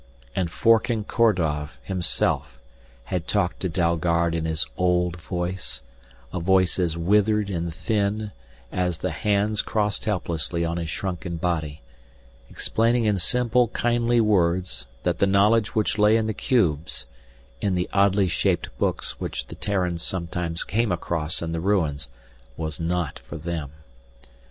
And Forken Kordov himself had talked to Dalgard in his old voice, a voice as withered and thin as the hands crossed helplessly on his shrunken body, explaining in simple, kindly words that the knowledge which lay in the cubes, in the oddly shaped books which the Terrans sometimes came across in the ruins, was not for them.